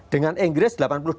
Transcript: dengan inggris delapan puluh dua